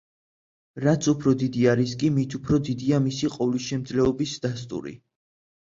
რაც უფრო დიდია რისკი, მით უფრო დიდია მისი ყოვლისშემძლეობის დასტური.